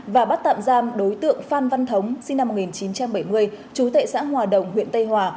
và bắt tạm giam đối tượng phan văn thống sinh năm một nghìn chín trăm bảy mươi chú tệ xã hòa đồng huyện tây hòa